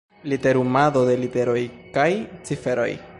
Literumado de literoj kaj ciferoj.